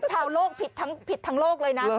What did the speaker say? ชาวโลกผิดทั้งโลกเลยนะ